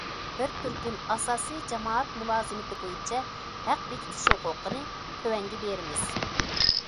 بىر تۈركۈم ئاساسىي جامائەت مۇلازىمىتى بويىچە ھەق بېكىتىش ھوقۇقىنى تۆۋەنگە بېرىمىز.